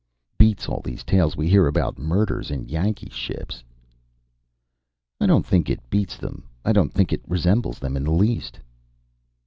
"Beats all these tales we hear about murders in Yankee ships." "I don't think it beats them. I don't think it resembles them in the least."